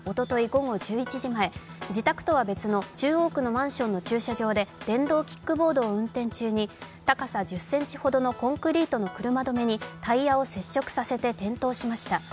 午後１１時前、自宅とは別の中央区のマンションの駐車場で電動キックボードを運転中に高さ１０ｃｍほどのコンクリートの車止めにタイヤを接触させて転倒しました。